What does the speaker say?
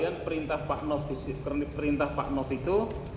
kemudian perintah pak no itu